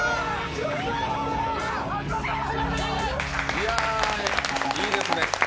いや、いいですね。